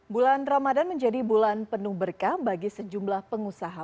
bulan ramadan menjadi bulan penuh berkah bagi sejumlah pengusaha